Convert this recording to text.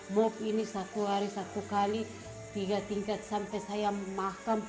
bob ini satu hari satu kali tiga tingkat sampai saya makam